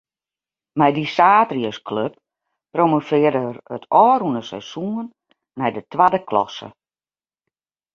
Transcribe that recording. Mei dy saterdeisklup promovearre er it ôfrûne seizoen nei de twadde klasse.